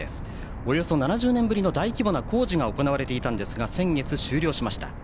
およそ７０年ぶりの大規模な工事が行われていたんですが先月、終了しました。